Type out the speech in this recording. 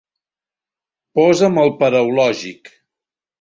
Posa'm el paraulògic.